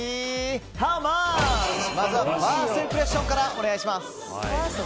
ハウマッチファーストインプレッションからお願いします。